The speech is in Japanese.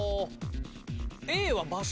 Ａは場所